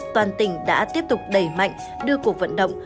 toàn tỉnh đã tiếp tục đẩy mạnh đưa cuộc vận động